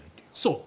そう。